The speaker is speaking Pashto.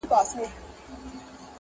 د مېړنیو د سنګر مېنه ده-